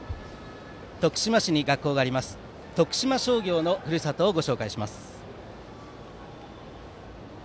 徳島市に学校があります徳島商業のふるさとをご紹介します。